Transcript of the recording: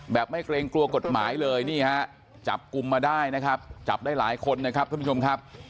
ไม่เกรงกลัวกฎหมายเลยนี่ฮะจับกลุ่มมาได้นะครับจับได้หลายคนนะครับท่านผู้ชมครับ